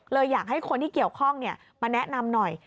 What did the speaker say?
อยากให้คนที่เกี่ยวข้องมาแนะนำหน่อย